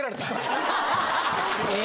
え？